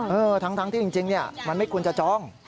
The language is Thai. เออทั้งที่จริงมันไม่ควรจะจอง